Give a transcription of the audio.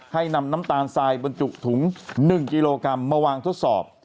ให้นำน้ำตาลทรายบรรจุถุง๑กิโลกรัมมาวางทดสอบ